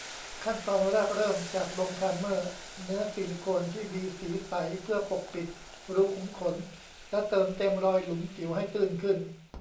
ขั้นตอนแรกเริ่มจากลงไพรเมอร์เนื้อซิลิโคนที่มีสีใสเพื่อปกปิดรูขุมขน และเติมเต็มรอยหลุมสิวให้ตื้นขึ้น